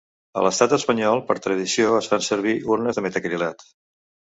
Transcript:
A l’estat espanyol, per tradició, es fan servir urnes de metacrilat.